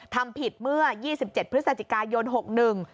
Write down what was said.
ทำผิดเมื่อ๒๗พฤศจิกายน๖๑